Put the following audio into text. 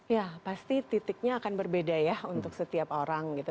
ya pasti titiknya akan berbeda ya untuk setiap orang gitu